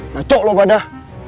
macok lo padah